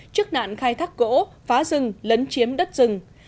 trước nạn khai thác gỗ phá rừng lấn chiếm đất rừng